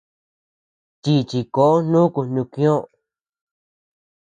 Chichi koʼo nuku nukñoʼö.